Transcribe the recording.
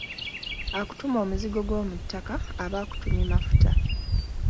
Akutuma omuzigo gwomu ttaka, aba akutumye Mafuta.